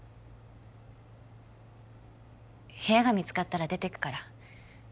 部屋が見つかったら出ていくから